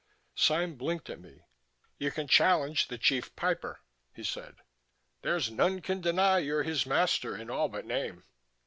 Sime blinked at me. "You can challenge the Chief Piper," he said. "There's none can deny you're his master in all but name.